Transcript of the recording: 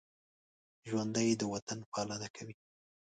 ژوندي د وطن پالنه کوي